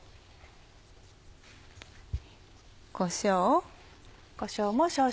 こしょう。